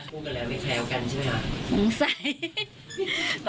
พูดกันแล้วไม่แคล้วกันใช่ไหมคะ